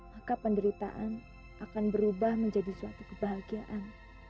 maka penderitaan akan berubah menjadi suatu kebahagiaan